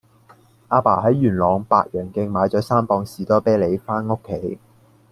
亞爸喺元朗白楊徑買左三磅士多啤梨返屋企